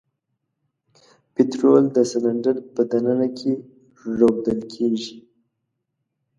پطرول د سلنډر په د ننه کې رودل کیږي.